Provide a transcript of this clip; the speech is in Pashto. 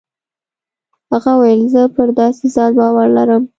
هغه وويل زه پر داسې ذات باور لرم.